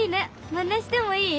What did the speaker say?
まねしてもいい？